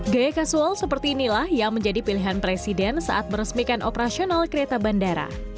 gaya kasual seperti inilah yang menjadi pilihan presiden saat meresmikan operasional kereta bandara